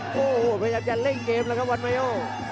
โอ้โหพยายามจะเร่งเกมเลยครับวันเมโย